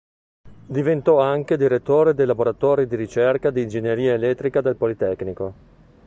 Diventò anche direttore dei laboratori di ricerca di ingegneria elettrica del politecnico.